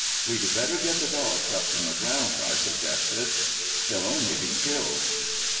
"We'd better get the dogs up from the ground," I suggested. "They'll only be killed."